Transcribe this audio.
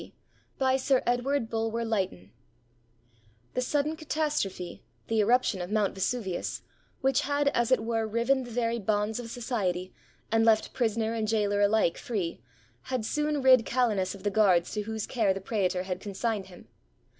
D.] BY SIR EDWARD BULWER LYTTON The sudden catastrophe [the eruption of Mount Vesu vius] which had, as it were, riven the very bonds of society, and left prisoner and jailer alike free, had soon rid Calenus of the guards to whose care the praetor had consigned him.